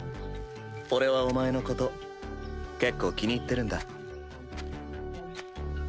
俺はお前のこと結構気に入ってるんだ。